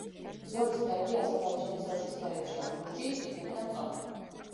ზოლის ფერები აზერბაიჯანის დროშის ფერებშია: ლურჯი, წითელი და მწვანე.